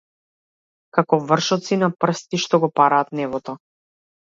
Како вршоци на прсти што го параат небото.